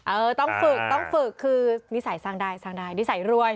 เออต้องฝึกคือนิสัยสร้างได้นิสัยรวย